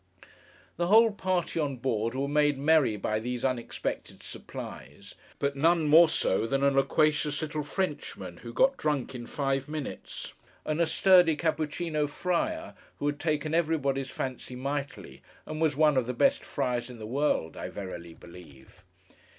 The whole party on board were made merry by these unexpected supplies; but none more so than a loquacious little Frenchman, who got drunk in five minutes, and a sturdy Cappuccíno Friar, who had taken everybody's fancy mightily, and was one of the best friars in the world, I verily believe.